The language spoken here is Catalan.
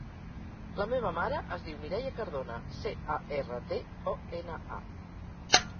La meva mare es diu Mireia Cardona: ce, a, erra, de, o, ena, a.